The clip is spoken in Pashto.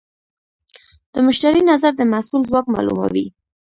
د مشتری نظر د محصول ځواک معلوموي.